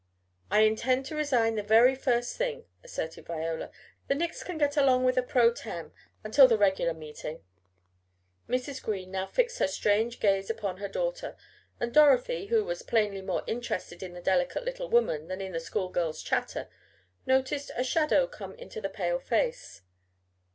"I intend to resign the very first thing," asserted Viola. "The Nicks can get along with a pro tem until the regular meeting." Mrs. Green now fixed her strange gaze upon her daughter, and Dorothy, who was plainly more interested in the delicate little woman than in the schoolgirls' chatter, noticed a shadow come into the pale face.